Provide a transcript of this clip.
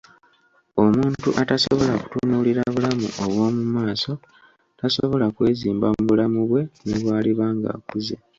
Omuntu atasobola kutunuulira bulamu obwo mu maaso tasobola kwezimba mu bulamu bwe ne bw'aliba ng'akuze.